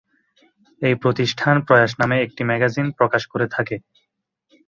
এই প্রতিষ্ঠান প্রয়াস নামে একটি ম্যাগাজিন প্রকাশ করে থাকে।